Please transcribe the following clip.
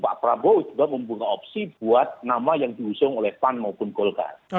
pak prabowo juga membuka opsi buat nama yang diusung oleh pan maupun golkar